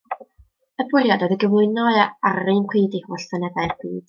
Y bwriad oedd ei gyflwyno ar yr un pryd i holl seneddau'r byd.